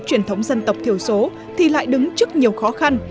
truyền thống dân tộc thiểu số thì lại đứng trước nhiều khó khăn